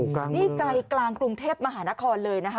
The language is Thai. นี่ใจกลางกรุงเทพมหานครเลยนะคะ